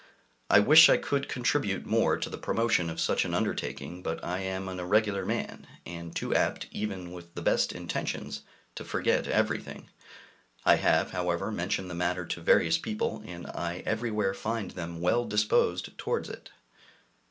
I wish I could contribute more to the promotion of such an undertaking, but I am an irregular man, and too apt, even with the best intentions, to forget everything; I have, however, mentioned the matter to various people, and I everywhere find them well disposed towards it.